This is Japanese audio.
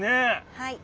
はい。